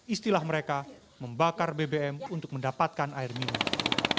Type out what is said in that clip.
istilah mereka membakar bbm untuk mendapatkan air minum